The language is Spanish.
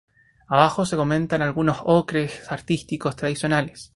Debajo se comentan algunos ocres artísticos tradicionales.